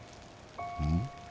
うん？